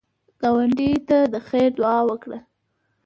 ګاونډي ته د خیر دعا وکړه